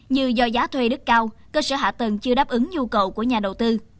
như do giá thuê đất cao cơ sở hạ tầng chưa đáp ứng nhu cầu của nhà đầu tư